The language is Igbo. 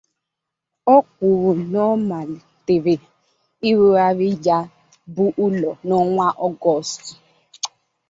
O kwuru na ọ malitere ịrụgharị ya bụ ụlọ n'ọnwa Ọgọstụ